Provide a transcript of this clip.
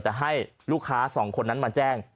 แต่ให้ลูกค้าสองคนนั้นมาแจ้ง